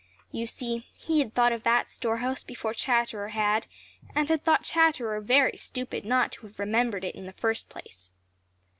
You see, he had thought of that store house before Chatterer had and had thought Chatterer very stupid not to have remembered it in the first place.